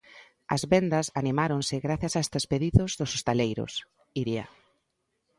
As vendas animáronse grazas a estes pedidos dos hostaleiros, Iria.